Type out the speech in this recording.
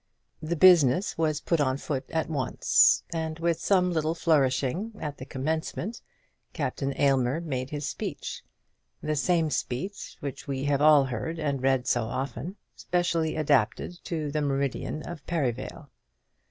The business was put on foot at once, and with some little flourishing at the commencement, Captain Aylmer made his speech; the same speech which we have all heard and read so often, specially adapted to the meridian of Perivale.